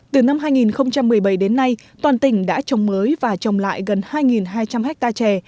từ năm hai nghìn một mươi bảy đến nay toàn tỉnh đã trồng mới và trồng lại gần hai hai trăm linh hectare chè